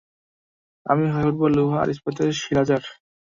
আমি হয়ে উঠবো লোহা আর ইস্পাতের শিলাঝড়!